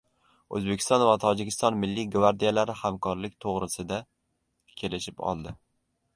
O‘zbekiston va Tojikiston Milliy gvardiyalari hamkorlik to‘g‘risida kelishib oldi